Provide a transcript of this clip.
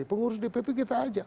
pengurus dpp kita aja